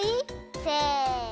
せの。